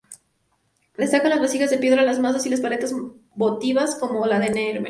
Destacan las vasijas de piedra, las "mazas" y "paletas" votivas, como la de Narmer.